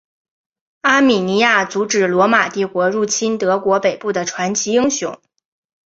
阿米尼亚阻止罗马帝国入侵德国北部的传奇英雄。